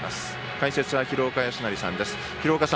解説は廣岡資生さんです。